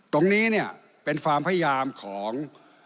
ตรงนี้เนี่ยเป็นความพยายามของ